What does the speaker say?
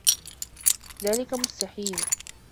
ذلك مستحيل.